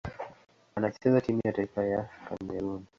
Anachezea timu ya taifa ya Kamerun.